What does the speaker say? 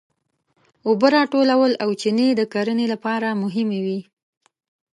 اوبه راټولول او چینې د کرنې لپاره مهمې وې.